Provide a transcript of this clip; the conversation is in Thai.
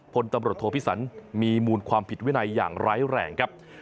พลตำรวจโทพิสันมีมูลความผิดวินัยอย่างร้ายแรงครับ